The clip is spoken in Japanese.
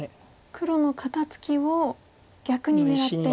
黒の肩ツキを逆に狙って。